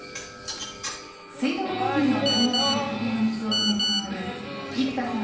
水道料金を滞納する家庭の水を止めて回る生田さん